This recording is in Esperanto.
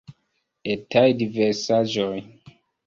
Etaj diversaĵoj.